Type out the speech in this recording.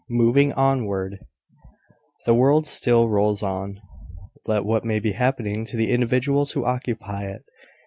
MOVING ONWARD. The world rolls on, let what may be happening to the individuals who occupy it.